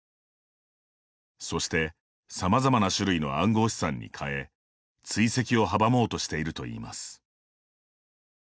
そして、さまざまな種類の暗号資産に変え追跡を阻もうとしているといいます。